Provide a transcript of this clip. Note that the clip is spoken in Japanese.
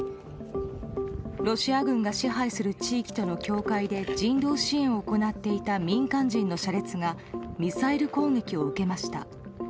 ロシア軍が支配する地域との境界で人道支援を行っていた民間人の車列がミサイル攻撃を受けました。